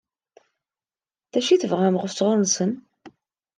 D acu i tebɣam sɣur-sen?